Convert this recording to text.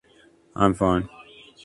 I’m fine.